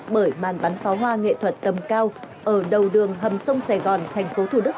bởi màn bắn pháo hoa nghệ thuật tầm cao ở đầu đường hầm sông sài gòn thành phố thủ đức